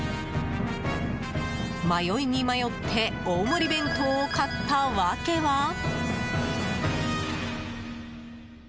迷いに迷って大盛り弁当を買った訳は。